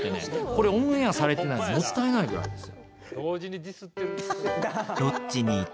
これオンエアされてないのもったいないぐらいです。